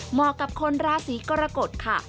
เหมาะกับคนราศีกรกฎค่ะ